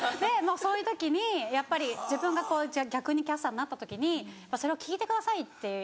そういう時にやっぱり自分が逆にキャスターになった時にそれを聞いてくださいって。